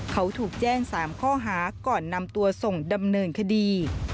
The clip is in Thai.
เขาถูกแจ้ง๓ข้อหาก่อนนำตัวส่งดำเนินคดี